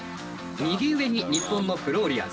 右上に日本のフローリアーズ。